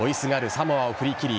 サモアを振り切り